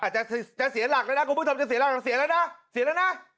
จะเสียหลักแล้วนะคุณผู้ชมจะเสียหลักเสียแล้วนะเสียแล้วนะ